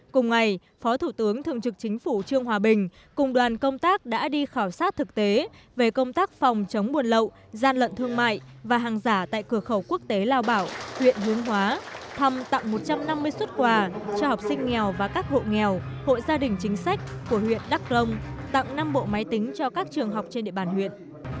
cùng ngày phó thủ tướng thượng trực chính phủ trương hòa bình cùng đoàn công tác đã đi khảo sát thực tế về công tác phòng chống buồn lậu gian lận thương mại và hàng giả tại cửa khẩu quốc tế lào bảo huyện hướng hóa thăm tặng một trăm năm mươi xuất quà cho học sinh nghèo và các hộ nghèo hội gia đình chính sách của huyện đắk rông tặng năm bộ máy tính cho các trường học trên địa bàn huyện